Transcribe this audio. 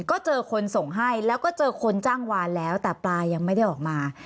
ก็เจอคนส่งให้แล้วก็เจอคนจ้างวานแล้วแต่ปลายังไม่ได้ออกมา